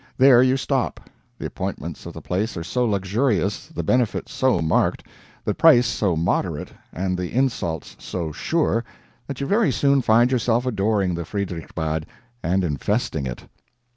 There you stop. The appointments of the place are so luxurious, the benefit so marked, the price so moderate, and the insults so sure, that you very soon find yourself adoring the Friederichsbad and infesting it.